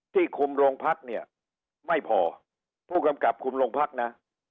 คุมโรงพักเนี่ยไม่พอผู้กำกับคุมโรงพักนะ